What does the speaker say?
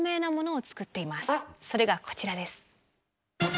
それがこちらです。